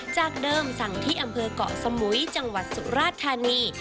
จากเดิมสั่งที่อำเภอกเกาะสมุยจังหวัดสุราธานี